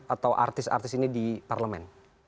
atau artis artis ini di parlemen